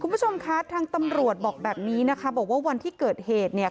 คุณผู้ชมคะทางตำรวจบอกแบบนี้นะคะบอกว่าวันที่เกิดเหตุเนี่ย